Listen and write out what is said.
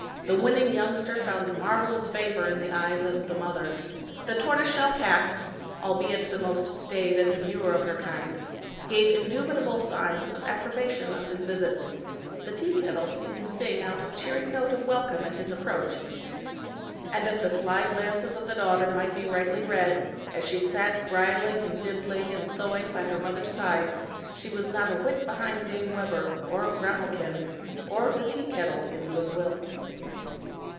The winning youngster found marvelous favor in the eyes of the mother; the tortoise shell cat, albeit the most staid and demure of her kind, gave indubitable signs of approbation of his visits ; the teakettle seemed to sing out a cheering note of welcome at his approach; and if the sly glances of the daughter might be rightly read, as she sat bridling and dimpling, and sewing by her mother's side, she was not a whit behind Dame Webber, or grimalkin, or the teakettle, in good will.